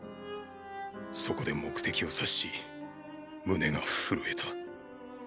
そこで目的を察し胸が震えた。